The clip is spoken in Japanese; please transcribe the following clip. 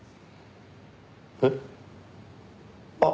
えっ？